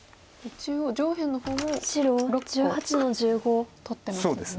中央上辺の方も６個取ってますもんね。